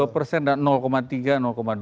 satu dua persen dan tiga dua